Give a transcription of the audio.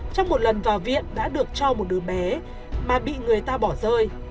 trong một lần vào viện đã được cho một đứa bé mà bị người ta bỏ rơi